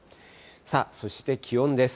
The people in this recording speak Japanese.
そして気温です。